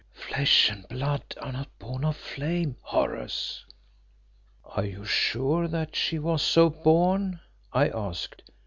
Flesh and blood are not born of flame, Horace." "Are you sure that she was so born?" I asked.